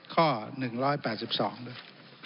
ข้อ๑๘๒ด้วย